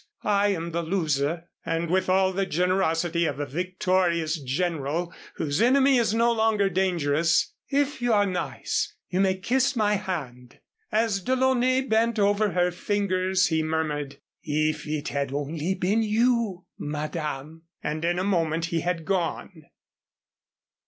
I am the loser." And with all the generosity of a victorious general whose enemy is no longer dangerous. "If you are nice you may kiss my hand." As DeLaunay bent over her fingers he murmured: "If it had only been you, Madame." And in a moment he had gone.